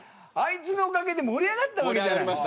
あいつのおかげで盛り上がったわけじゃない。